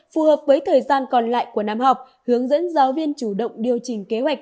phù hợp với thời gian còn lại của năm học hướng dẫn giáo viên chủ động điều chỉnh kế hoạch